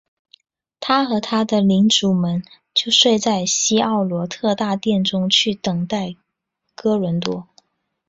他和他的领主们就睡在希奥罗特大殿中去等待哥伦多。